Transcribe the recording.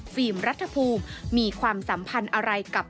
รัฐภูมิมีความสัมพันธ์อะไรกับ